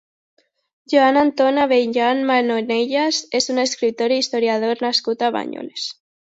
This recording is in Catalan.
Joan Anton Abellán Manonellas és un escriptor i historiador nascut a Banyoles.